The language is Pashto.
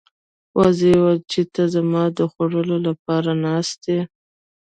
وزې وویل چې ته زما د خوړلو لپاره ناست یې.